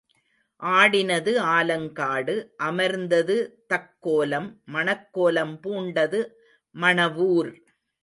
ஆடினது ஆலங்காடு அமர்ந்தது தக்கோலம் மணக்கோலம் பூண்டது மணவூர்.